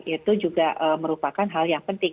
itu juga merupakan hal yang penting